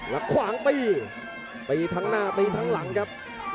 แล้วขวางตีตีทั้งหน้าตีทั้งหลังครับ